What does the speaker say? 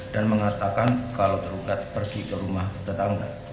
dan mengatakan kalau tergugat pergi ke rumah tetangga